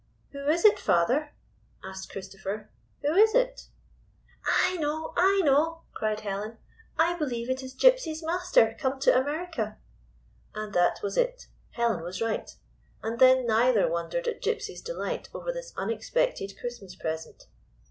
"Who is it, father?" asked Christopher. "Who is it?" " I know, I know," cried Helen. " I believe it is Gypsy's master come to America!" And that was it. Helen was right. And then neither wondered at Gypsy's delight over this unexpected Christmas present.